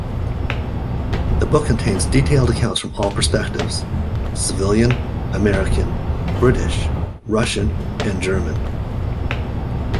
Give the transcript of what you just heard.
The book contains detailed accounts from all perspectives: civilian, American, British, Russian and German.